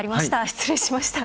失礼しました。